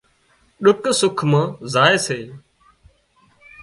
ڏُک سُک مان زائي سي